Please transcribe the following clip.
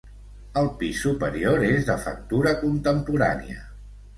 El pis superior és de factura contemporània.